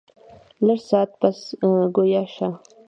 لږ ساعت پس ګویا شۀ ـ